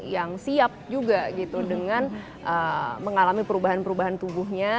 yang siap juga gitu dengan mengalami perubahan perubahan tubuhnya